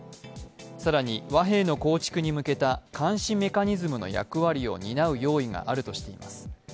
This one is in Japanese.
更に、和平の構築に向けた監視メカニズムの役割を担う用意があるとしています。